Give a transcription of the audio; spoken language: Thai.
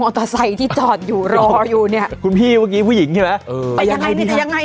มอเตอร์ไซค์ที่จอดอยู่รออยู่เนี่ยคุณพี่เมื่อกี้ผู้หญิงใช่ไหมไปยังไงเนี่ย